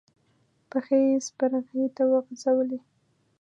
پښې يې سپرغې ته وغزولې.